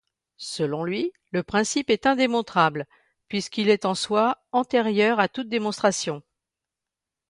Selon lui, le principe est indémontrable, puisqu'il est en soi antérieur à toute démonstration.